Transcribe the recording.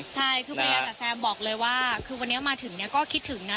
ใช่คือภรรยาจ๋แซมบอกเลยว่าคือวันนี้มาถึงเนี่ยก็คิดถึงนะ